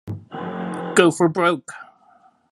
Go for Broke!